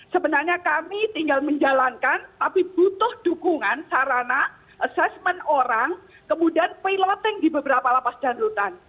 sebenarnya kami tinggal menjalankan tapi butuh dukungan sarana assessment orang kemudian piloting di beberapa lapas dan rutan